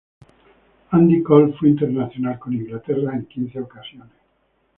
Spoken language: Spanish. Andy Cole fue internacional con Inglaterra en quince ocasiones.